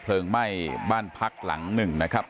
เพลิงไหม้บ้านพักหลัง๑นะครับ